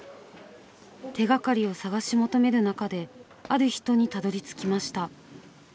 手がかりを探し求める中である人にたどりつきました。